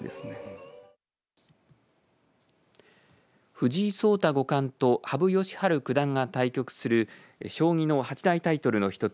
藤井聡太五冠と羽生善治九段が対局する将棋の八大タイトルの一つ